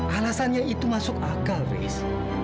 alasannya itu masuk akal riz